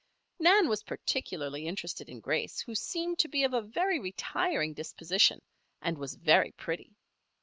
Nan was particularly interested in Grace, who seemed to be of a very retiring disposition, and was very pretty.